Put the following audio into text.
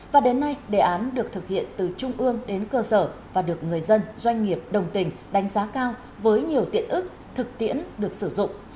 và đến nay đề án được thực hiện từ trung ương đến cơ sở và được người dân doanh nghiệp đồng tình đánh giá cao với nhiều tiện ích thực tiễn được sử dụng